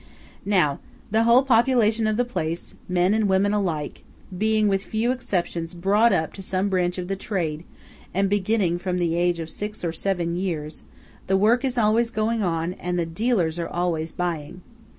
Now, the whole population of the place, men and women alike, being with few exceptions brought up to some branch of the trade, and beginning from the age of six or seven years, the work is always going on, and the dealers are always buying.